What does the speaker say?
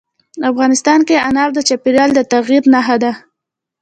افغانستان کې انار د چاپېریال د تغیر نښه ده.